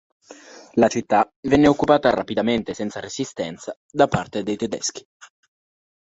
La città venne occupata rapidamente e senza resistenza da parte dei tedeschi.